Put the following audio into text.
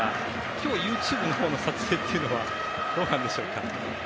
今日、Ｙｏｕｔｕｂｅのほうの撮影っていうのはどうなんでしょうか？